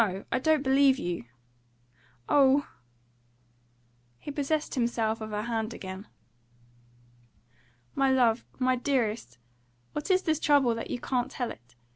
I don't believe you." "Oh!" He possessed himself of her hand again. "My love my dearest! What is this trouble, that you can't tell it?